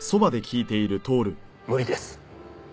無理です。